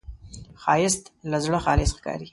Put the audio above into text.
ښایست له زړه خالص ښکاري